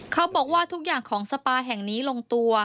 เขาบอกว่าทุกอย่างของสปาแห่งนี้ลงตัว